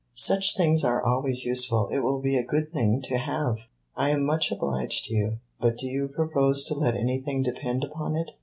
"Such things are always useful. It will be a good thing to have." "I am much obliged to you; but do you propose to let anything depend upon it?